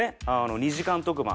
２時間特番